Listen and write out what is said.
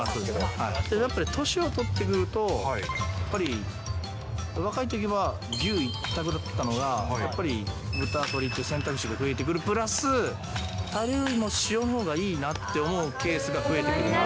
やっぱり年を取ってくると、やっぱり若いときは牛一択だったのが、やっぱり豚、鶏って選択肢が増えてくるプラス、たれよりも塩のほうがいいなっていうケースが増えてくる。